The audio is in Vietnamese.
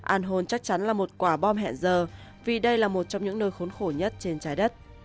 an hồn chắc chắn là một quả bom hẹn giờ vì đây là một trong những nơi khốn khổ nhất trên trái đất